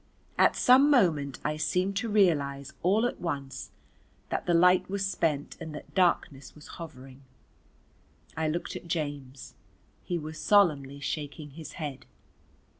At some moment I seemed to realise all at once that the light was spent and that darkness was hovering, I looked at James, he was solemnly shaking his head.